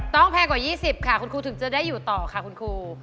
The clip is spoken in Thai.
แพงกว่า๒๐ค่ะคุณครูถึงจะได้อยู่ต่อค่ะคุณครู